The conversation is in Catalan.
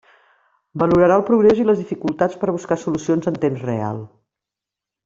Valorarà el progrés i les dificultats per a buscar solucions en temps real.